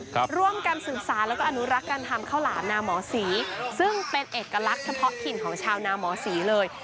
ร่วมกันศึกษาแล้วก็อนุรักษ์การทำข้าวหลามนาหมอศรีซึ่งเป็นเอกลักษณ์เฉพาะถิ่นของชาวนาหมอศรีเลย